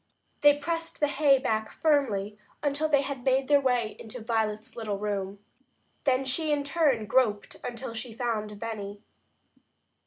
They pressed the hay back firmly until they had made their way into Violet's little room. And then she in turn groped until she found Benny.